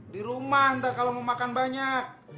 di rumah ntar kalau mau makan banyak